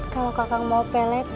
kalau kakak mau pelet